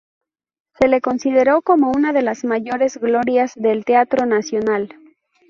Se le consideró como una de las mayores glorias del teatro nacional.